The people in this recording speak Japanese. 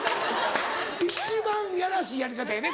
一番いやらしいやり方やね